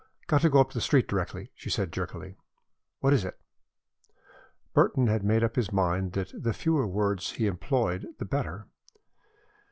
"Got to go up the street directly," she said, jerkily. "What is it?" Burton had made up his mind that the fewer words he employed, the better.